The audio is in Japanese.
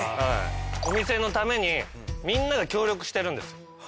お店のためにみんなが協力してるんです。